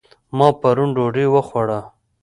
ما پرون ډوډۍ وخوړه